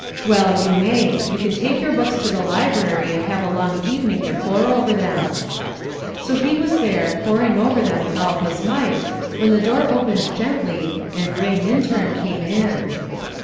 "Well, you may; you can take your books to the library, and have a long evening to pore over them." So he was there, poring over them with all his might, when the door opened gently, and Ray Minturn came in.